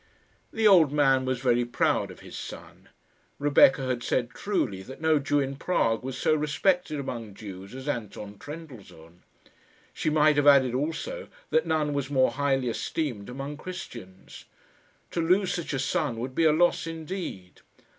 The old man was very proud of his son. Rebecca had said truly that no Jew in Prague was so respected among Jews as Anton Trendellsohn. She might have added, also, that none was more highly esteemed among Christians. To lose such a son would be a loss indeed.